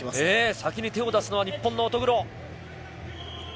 先に手を出すのは日本の乙黒。